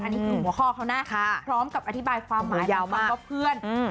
อันนี้คือหัวข้อเขานะพร้อมกับอธิบายความหมายเราแบบว่าเพื่อน